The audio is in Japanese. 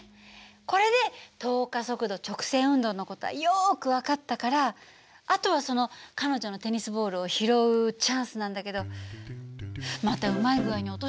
これで等加速度直線運動の事はよく分かったからあとはその彼女のテニスボールを拾うチャンスなんだけどまたうまい具合に落としてくれるかしらね？